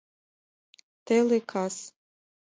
ТЕЛЕ КАС